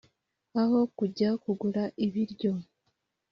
aho kujya kugura ibiryo